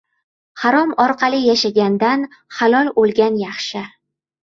• Harom orqali yashagandan halol o‘lgan yaxshi.